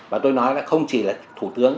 và tôi nói là không chỉ là thủ tướng